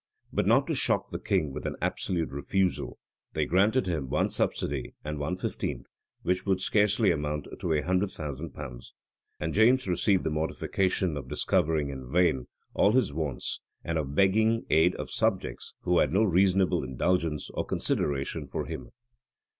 But not to shock the king with an absolute refusal, they granted him one subsidy and one fifteenth; which would scarcely amount to a hundred thousand pounds. And James received the mortification of discovering in vain all his wants, and of begging aid of subjects who had no reasonable indulgence or consideration for him.